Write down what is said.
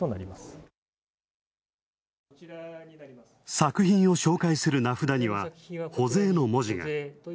作品を紹介する名札には、保税の文字が。